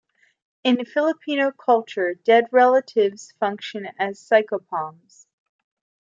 In Filipino culture, dead relatives function as psychopomps.